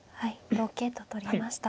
同桂と取りました。